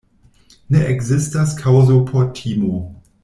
Ne ekzistas kaŭzo por timo.